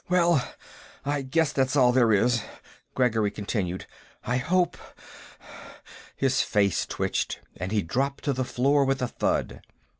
"Well, I guess that's all there is," Gregory continued. "I hope...." His face twitched, and he dropped to the floor with a thud.